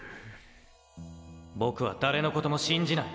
僕は誰のことも信じない。